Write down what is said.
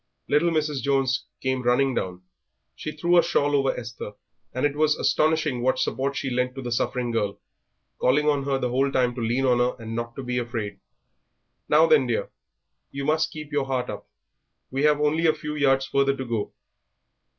Little Mrs. Jones came running down; she threw a shawl over Esther, and it was astonishing what support she lent to the suffering girl, calling on her the whole time to lean on her and not to be afraid. "Now then, dear, you must keep your heart up, we have only a few yards further to go."